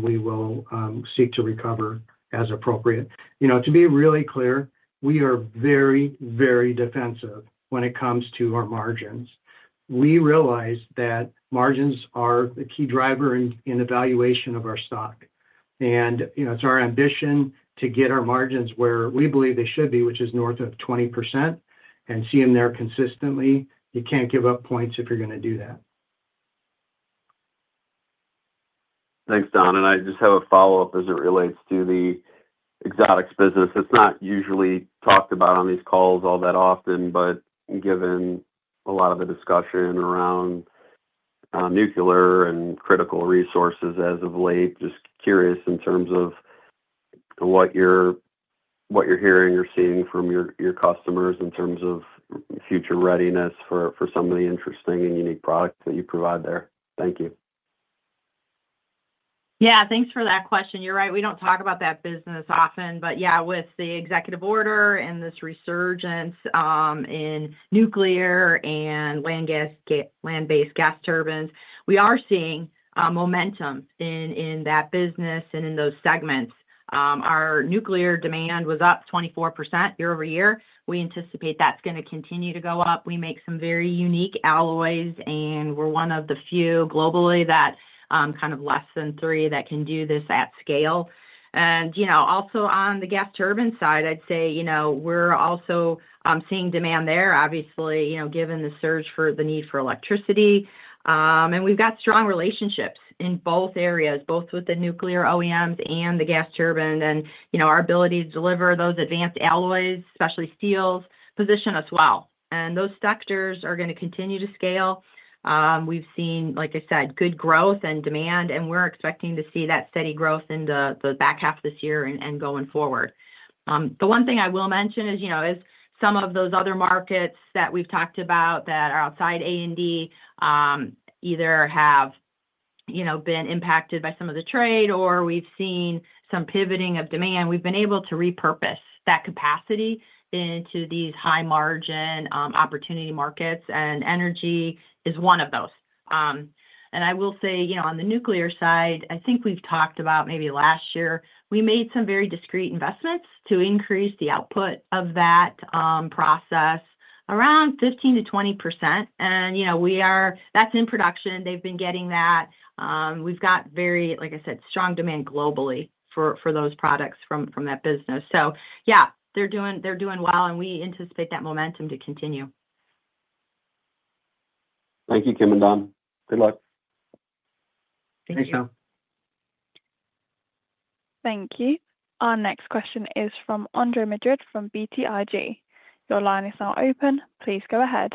we will seek to recover as appropriate. To be really clear, we are very, very defensive when it comes to our margins. We realize that margins are the key driver in the valuation of our stock, and it's our ambition to get our margins where we believe they should be, which is north of 20%, and see them there consistently. You can't give up points if you're going to do that. Thanks, Don. I just have a follow-up as it relates to the exotics business. It's not usually talked about on these calls all that often, but given a lot of the discussion around nuclear and critical resources as of late, just curious in terms of what you're hearing or seeing from your customers in terms of future readiness for some of the interesting and unique products that you provide there. Thank you. Yeah. Thanks for that question. You're right. We don't talk about that business often. With the executive order and this resurgence in nuclear and land-based gas turbines, we are seeing momentum in that business and in those segments. Our nuclear demand was up 24% year over year. We anticipate that's going to continue to go up. We make some very unique alloys, and we're one of the few globally, kind of less than three, that can do this at scale. Also, on the gas turbine side, I'd say we're also seeing demand there, obviously, given the surge for the need for electricity. We've got strong relationships in both areas, both with the nuclear OEMs and the gas turbine, and our ability to deliver those advanced alloys, especially steels, positions us well. Those sectors are going to continue to scale. We've seen, like I said, good growth in demand, and we're expecting to see that steady growth in the back half of this year and going forward. The one thing I will mention is some of those other markets that we've talked about that are outside A&D either have been impacted by some of the trade, or we've seen some pivoting of demand. We've been able to repurpose that capacity into these high-margin opportunity markets, and energy is one of those. I will say on the nuclear side, I think we've talked about maybe last year, we made some very discrete investments to increase the output of that process around 15% to 20%. That's in production. They've been getting that. We've got very, like I said, strong demand globally for those products from that business. They're doing well, and we anticipate that momentum to continue. Thank you, Kim and Don. Good luck. Thank you. Thank you. Our next question is from Andre Madrid from BTIG. Your line is now open. Please go ahead.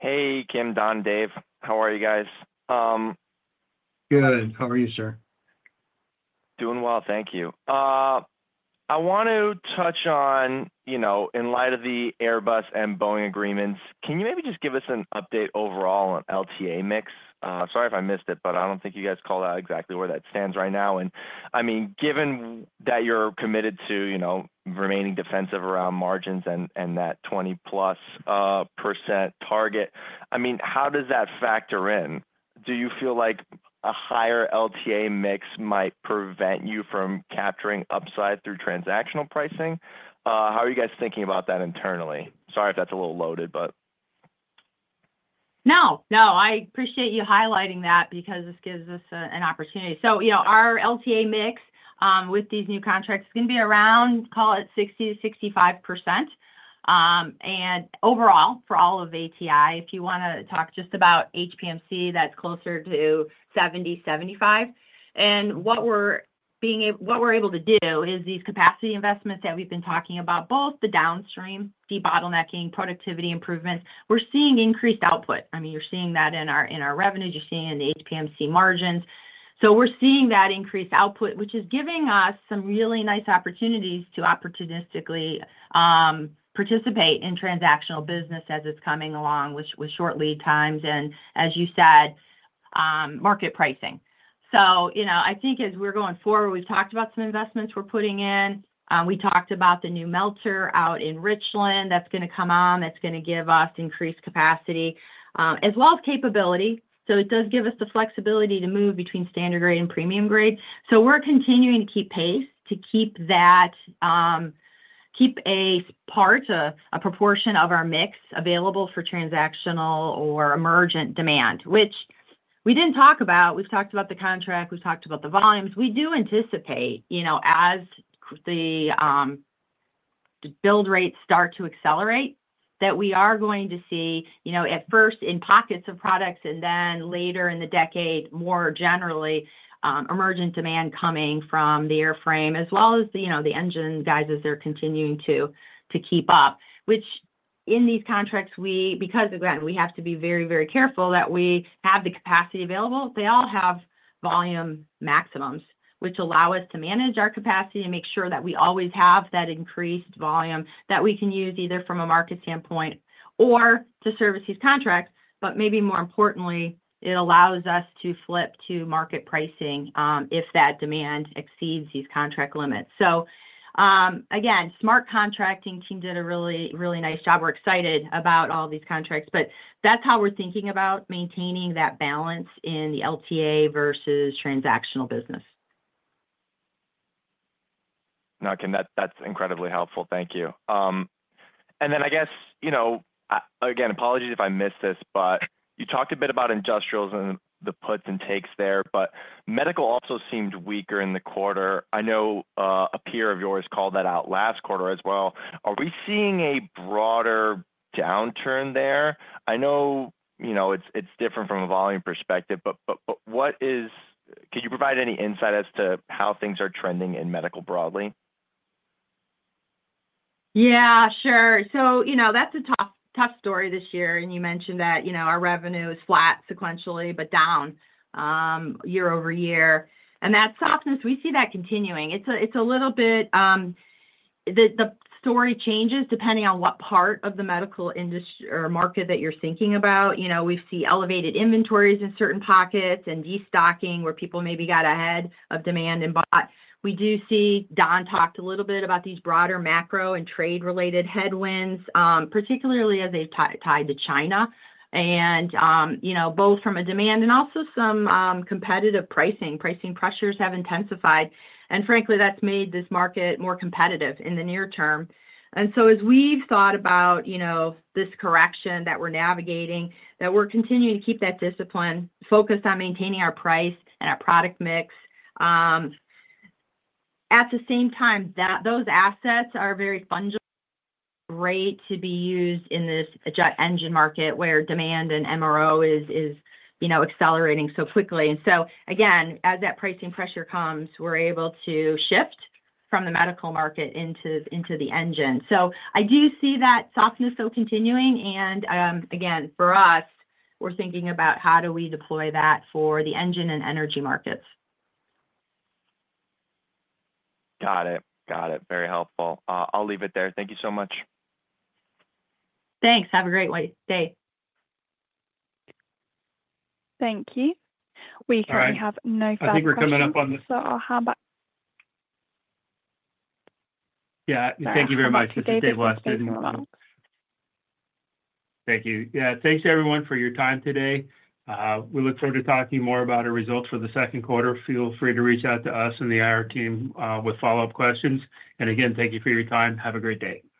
Hey, Kim, Don, Dave. How are you guys? Good. How are you, sir? Doing well, thank you. I want to touch on, in light of the Airbus and Boeing agreements, can you maybe just give us an update overall on LTA mix? Sorry if I missed it, but I don't think you guys called out exactly where that stands right now. I mean, given that you're committed to remaining defensive around margins and that 20+% target, how does that factor in? Do you feel like a higher LTA mix might prevent you from capturing upside through transactional pricing? How are you guys thinking about that internally? Sorry if that's a little loaded, but. No. I appreciate you highlighting that because this gives us an opportunity. Our LTA mix with these new contracts is going to be around, call it 60 to 65%. Overall, for all of ATI, if you want to talk just about HPMC, that's closer to 70 to 75%. What we're able to do is these capacity investments that we've been talking about, both the downstream, de-bottlenecking, productivity improvements, we're seeing increased output. You're seeing that in our revenues. You're seeing it in the HPMC margins. We're seeing that increased output, which is giving us some really nice opportunities to opportunistically participate in transactional business as it's coming along with short lead times and, as you said, market pricing. I think as we're going forward, we've talked about some investments we're putting in. We talked about the new melter out in Richland that's going to come on. That's going to give us increased capacity as well as capability. It does give us the flexibility to move between standard grade and premium grade. We're continuing to keep pace to keep a part, a proportion of our mix available for transactional or emergent demand, which we didn't talk about. We've talked about the contract. We've talked about the volumes. We do anticipate, as the build rates start to accelerate, that we are going to see at first in pockets of products and then later in the decade, more generally, emergent demand coming from the airframe as well as the engine guys as they're continuing to keep up, which in these contracts, because again, we have to be very, very careful that we have the capacity available. They all have volume maximums, which allow us to manage our capacity and make sure that we always have that increased volume that we can use either from a market standpoint or to service these contracts. Maybe more importantly, it allows us to flip to market pricing if that demand exceeds these contract limits. Again, smart contracting team did a really, really nice job. We're excited about all these contracts, but that's how we're thinking about maintaining that balance in the LTA versus transactional business. Kim, that's incredibly helpful. Thank you. I guess, apologies if I missed this, but you talked a bit about industrials and the puts and takes there. Medical also seemed weaker in the quarter. I know a peer of yours called that out last quarter as well. Are we seeing a broader downturn there? I know it's different from a volume perspective, but can you provide any insight as to how things are trending in medical broadly? Yeah, sure. That's a tough story this year. You mentioned that our revenue is flat sequentially, but down year over year. That softness, we see that continuing. The story changes depending on what part of the medical market you're thinking about. We see elevated inventories in certain pockets and destocking where people maybe got ahead of demand and bought. We do see, Don talked a little bit about these broader macro and trade-related headwinds, particularly as they've tied to China. Both from a demand and also some competitive pricing. Pricing pressures have intensified. Frankly, that's made this market more competitive in the near term. As we've thought about this correction that we're navigating, we're continuing to keep that discipline, focus on maintaining our price and our product mix. At the same time, those assets are very fungible, great to be used in this engine market where demand and MRO is accelerating so quickly. As that pricing pressure comes, we're able to shift from the medical market into the engine. I do see that softness still continuing. For us, we're thinking about how do we deploy that for the engine and energy markets. Got it. Got it. Very helpful. I'll leave it there. Thank you so much. Thanks. Have a great day. Thank you. We currently have no questions. I think we're coming up on the. I'll have a. Thank you very much. Stay blessed. Thank you. Thanks to everyone for your time today. We look forward to talking more about our results for the second quarter. Feel free to reach out to us and the IR team with follow-up questions. Thank you for your time. Have a great day.